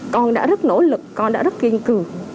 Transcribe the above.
con đã rất nỗ lực con đã rất kiên cường